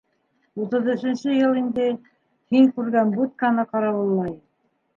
Утыҙ өсөнсө йыл инде һин күргән будканы ҡарауыллайым.